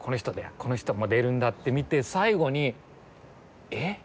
この人も出るんだって見て最後にえっ？